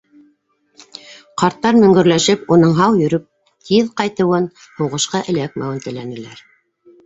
Ҡарттар мөңгөрләшеп уның һау йөрөп тиҙ ҡайтыуын, һуғышҡа эләкмәүен теләнеләр.